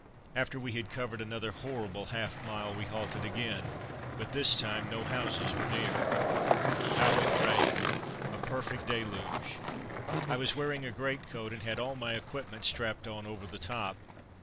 After we had covered another horrible half mile we halted again, but this time no houses were near. How it rained! A perfect deluge. I was wearing a greatcoat, and had all my equipment strapped on over the top.